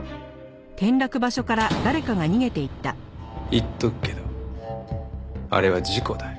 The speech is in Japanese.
言っとくけどあれは事故だ。